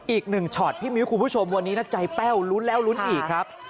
อีกหนึ่งช็อตพี่มิ้วคุณผู้ชมวันนี้นะใจแป้วลุ้นแล้วลุ้นอีกครับ